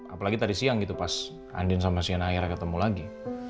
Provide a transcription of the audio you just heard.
apalagi tadi siang gitu pas andin sama siana akhirnya ketemu lagi